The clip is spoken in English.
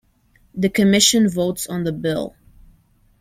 The commission votes on the bill.